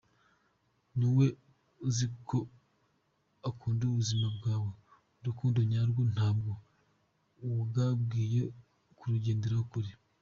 Niba uziko ukunda ubuzima bwawe, Urukundo nyarwo ntabwo wagakwiye kurugendera kure.